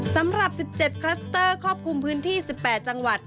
สำหรับ๑๗คลัสเตอร์ครอบคลุมพื้นที่๑๘จังหวัด